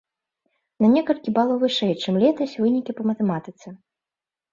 На некалькі балаў вышэй, чым летась, вынікі па матэматыцы.